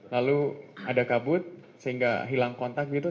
lalu ada kabut sehingga hilang kontak gitu